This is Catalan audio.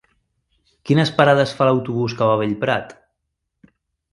Quines parades fa l'autobús que va a Bellprat?